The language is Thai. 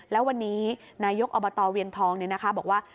แล้ววันนี้นายกอบตเวียงทองบอกว่า